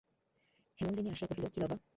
হেমনলিনী আসিয়া কহিল, কী বাবা!